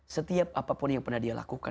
setiap apapun yang pernah dia lakukan